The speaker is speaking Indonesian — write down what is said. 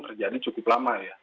terjadi cukup lama ya